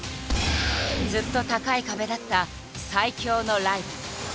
ずっと高い壁だった最強のライバル。